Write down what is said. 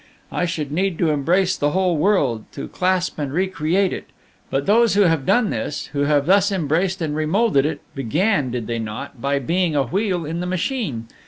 I should need to embrace the whole world, to clasp and re create it; but those who have done this, who have thus embraced and remoulded it began did they not? by being a wheel in the machine.